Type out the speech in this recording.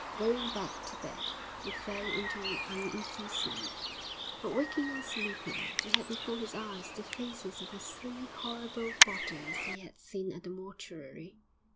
Going back to bed, he fell into an uneasy sleep; but waking or sleeping, he had before his eyes the faces of the three horrible bodies he had seen at the mortuary.